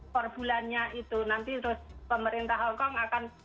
per bulannya itu nanti terus pemerintah hongkong akan